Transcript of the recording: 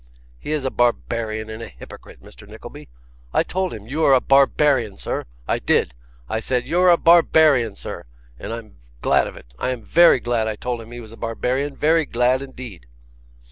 He is a barbarian and a hypocrite, Mr. Nickleby. I told him, "You are a barbarian, sir." I did. I said, "You're a barbarian, sir." And I'm glad of it, I am VERY glad I told him he was a barbarian, very glad indeed!